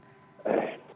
jangan lupa jangan lupa